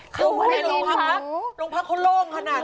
พวกหนูลงพักเขาโวงขนาดนั้น